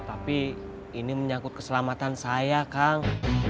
tapi ini menyangkut keselamatan saya kang